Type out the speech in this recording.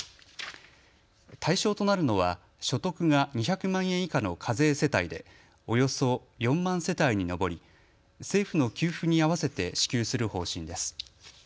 対象となるのは所得が２００万円以下の課税世帯でおよそ４万世帯に上り、政府の給付に合わせて支給する方針です。